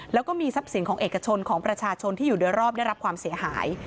แล้วก็มีทรัพย์สินของเอกชนของประชาชนที่อยู่โดยรอบได้รับความเสียหาย